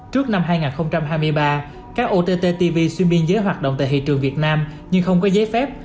trước năm hai nghìn hai mươi ba các ott tv xuyên biên giới hoạt động tại hiện trường việt nam nhưng không có giấy phép